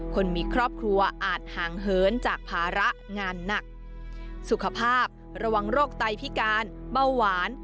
คนมีครอบครัวอาจห่างเหินจากภาระงานหนักสุขภาพระวังโรคไตพิการเบาหวาน